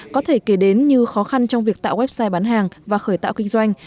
có thể kể đến như khó khăn trong việc tạo website bán hàng và khởi tạo kinh doanh